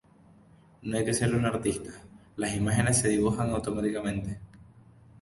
No hay que ser un artista, las imágenes se dibujan automáticamente.